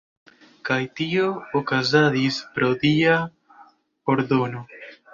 Kaj tio okazadis pro “dia ordono”.